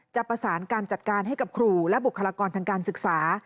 จะประสานการจัดการให้กับครูและบุคลากรทางการศึกษา